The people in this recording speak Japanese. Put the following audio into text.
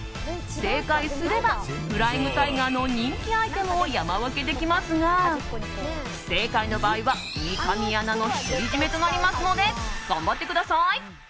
正解すればフライングタイガーの人気アイテムを山分けできますが不正解の場合は三上アナの独り占めとなりますので頑張ってください！